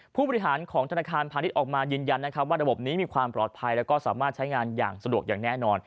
ผู้บริหารของธนาคารพาณิชย์ออกมายืนยันนะครับว่าระบบนี้มีความปลอดภัยแล้วก็สามารถใช้งานอย่างสะดวกอย่างแน่นอน